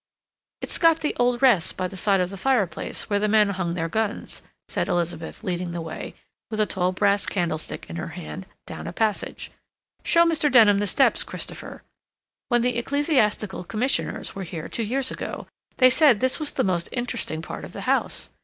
"It's got the old rests by the side of the fireplace, where the men hung their guns," said Elizabeth, leading the way, with a tall brass candlestick in her hand, down a passage. "Show Mr. Denham the steps, Christopher.... When the Ecclesiastical Commissioners were here two years ago they said this was the most interesting part of the house.